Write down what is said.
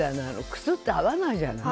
靴って合わないじゃない。